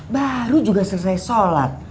baru juga selesai sholat